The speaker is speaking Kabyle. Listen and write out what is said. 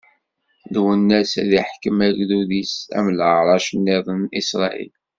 Lwennas ad iḥkem agdud-is, am leɛṛac-nniḍen n Isṛayil.